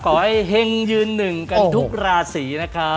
ขอให้แห่งยืนหนึ่งกันทุกราศีนะครับ